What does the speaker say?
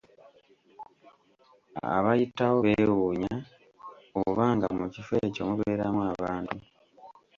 Abayitawo bewuunya oba nga mu kifo ekyo mubeeramu abantu.